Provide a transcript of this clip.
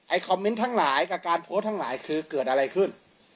คอมเมนต์ทั้งหลายกับการโพสต์ทั้งหลายคือเกิดอะไรขึ้น